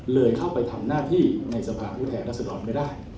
เข้าไปทำหน้าที่ในสภาพผู้แทนรัศดรไม่ได้